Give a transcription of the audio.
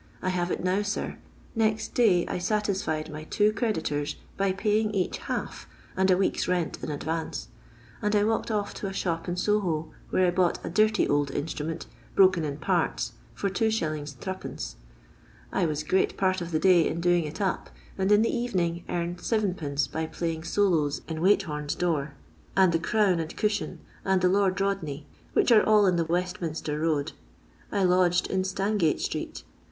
I have it now, sir. Next day I satisfied my two creditors by paying each hal^ and a week's rent in advance, and I walked off to a shop in Soho, where I bought a dirty old instnunent, broken in parts, fur 2ir. 8cf. I was great part of the day in doing it up, and in the evening earned Id. by playing solos by Watchom's door, and the Crown and Cushion, and the Lord Sodaay, whioh are all in the Westminster road. I lodged in Stangate street.